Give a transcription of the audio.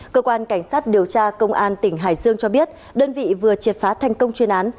cơ quan cảnh sát điều tra công an tỉnh hải dương cho biết đơn vị vừa triệt phá thành công chuyên án